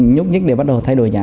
nhúc nhích để bắt đầu thay đổi giá